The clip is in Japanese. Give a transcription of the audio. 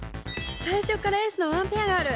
最初からエースの１ペアがある。